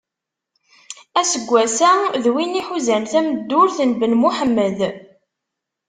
Aseggas-a, d win iḥuzan tameddurt n Ben Muḥemed.